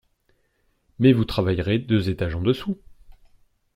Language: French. Mais vous travaillerez deux étages en–dessous.